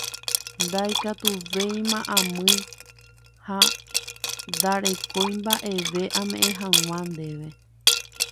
Ndaikatuvéima amýi ha ndarekói mba'eve ame'ẽ hag̃ua ndéve